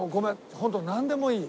ホントなんでもいい。